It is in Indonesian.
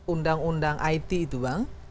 undang undang it itu bang